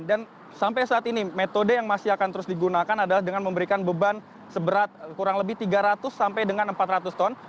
dan sampai saat ini metode yang masih akan terus digunakan adalah dengan memberikan beban seberat kurang lebih tiga ratus sampai dengan empat ratus ton